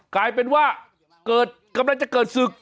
กลายเป็นว่ากำลังจะเกิดศึก